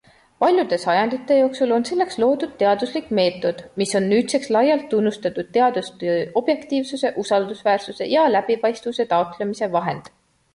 Paljude sajandite jooksul on selleks loodud teaduslik meetod, mis on nüüdseks laialt tunnustatud teadustöö objektiivsuse, usaldusväärsuse ja läbipaistvuse taotlemise vahend.